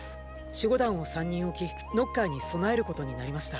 守護団を３人置きノッカーに備えることになりました。